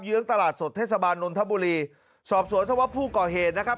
ื้องตลาดสดเทศบาลนนทบุรีสอบสวนสวะผู้ก่อเหตุนะครับ